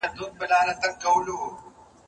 دا ځواب له هغه روښانه دی،